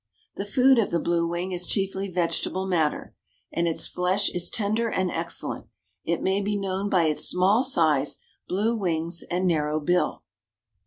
The food of the blue wing is chiefly vegetable matter, and its flesh is tender and excellent. It may be known by its small size, blue wings, and narrow bill.